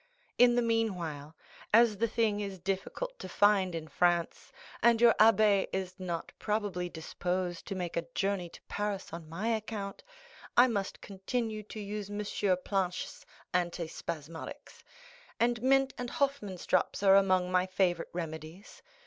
In the meanwhile, as the thing is difficult to find in France, and your abbé is not probably disposed to make a journey to Paris on my account, I must continue to use Monsieur Planche's anti spasmodics; and mint and Hoffman's drops are among my favorite remedies.